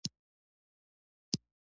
راته ویې ویل د ده خبرې په فارسي وې.